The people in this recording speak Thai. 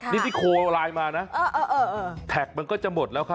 นี่ที่โคไลน์มานะแท็กมันก็จะหมดแล้วค่ะ